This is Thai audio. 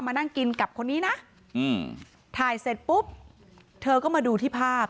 มานั่งกินกับคนนี้นะถ่ายเสร็จปุ๊บเธอก็มาดูที่ภาพ